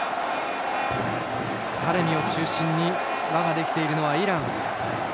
タレミを中心に輪ができているのはイラン。